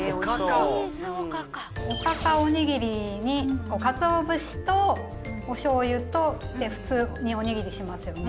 おかかおにぎりにかつお節とおしょうゆと普通におにぎりしますよね。